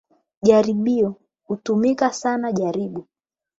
"Jaribio, hutumika sana jaribu"